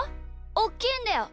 おっきいんだよ。